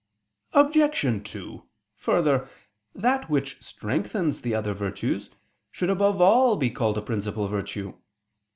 Obj. 2: Further, that which strengthens the other virtues should above all be called a principal virtue.